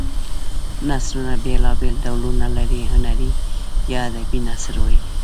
نثرونه بېلا بېل ډولونه لري هنري یا ادبي نثر وايي.